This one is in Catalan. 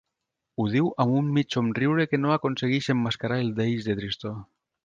Ho diu amb un mig somriure que no aconsegueix emmascarar el deix de tristor.